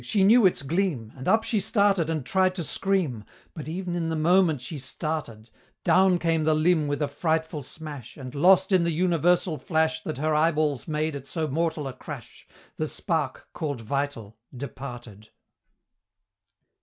she knew its gleam! And up she started and tried to scream, But ev'n in the moment she started Down came the limb with a frightful smash, And, lost in the universal flash That her eyeballs made at so mortal a crash, The Spark, call'd Vital, departed!